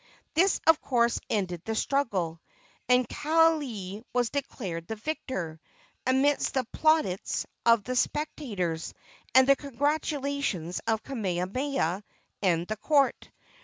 This, of course, ended the struggle, and Kaaialii was declared the victor, amidst the plaudits of the spectators and the congratulations of Kamehameha and the court.